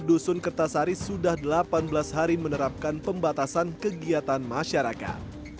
dusun kertasari sudah delapan belas hari menerapkan pembatasan kegiatan masyarakat